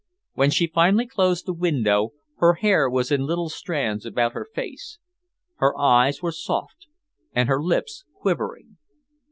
When she finally closed the window, her hair was in little strands about her face. Her eyes were soft and her lips quivering.